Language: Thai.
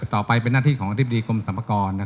ต่อไปเป็นหน้าที่ของอธิบดีกรมสรรพากร